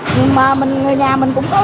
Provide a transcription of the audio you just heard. nhưng mà mình người nhà mình cũng không có